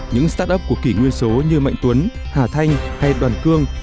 những start up của kỷ nguyên số như mạnh tuấn hà thanh hay đoàn cương